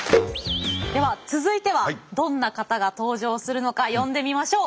では続いてはどんな方が登場するのか呼んでみましょう。